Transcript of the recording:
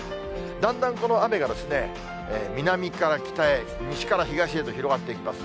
だんだんこの雨が、南から北へ、西から東へと広がっていきます。